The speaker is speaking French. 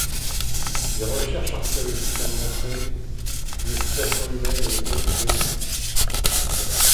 Des recherches archéologiques ont montré une occupation humaine à l'époque du néolithique.